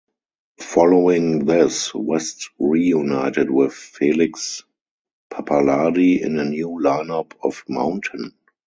Following this, West reunited with Felix Pappalardi in a new line-up of Mountain.